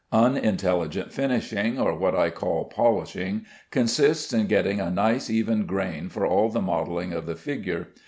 Unintelligent finishing, or what I call polishing, consists in getting a nice even grain for all the modelling of the figure.